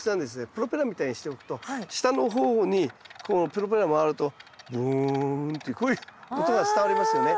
プロペラみたいにしておくと下の方にこのプロペラが回るとブーンというこういう音が伝わりますよね。